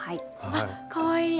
あかわいい。